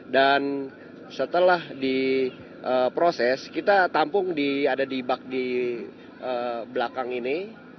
dan setelah diproses kita tampung ada di bak di belakang ini